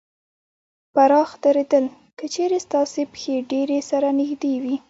پراخ درېدل : که چېرې ستاسې پښې ډېرې سره نږدې وي